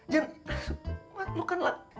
jen lo kan laki